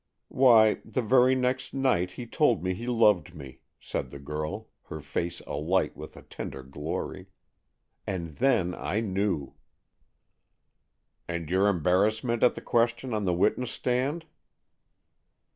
"Why, the very next night he told me he loved me," said the girl, her face alight with a tender glory, "and then I knew!" "And your embarrassment at the questions on the witness stand?"